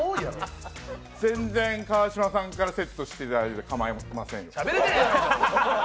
全然川島さんから「セット」していただいて、か、かまいませんよ。